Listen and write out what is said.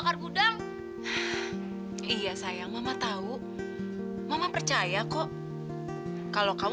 kamu gak sadar kalau kamu lagi dihukum